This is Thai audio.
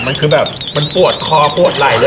เป็นคือแบบมันปวดคอปวดไหล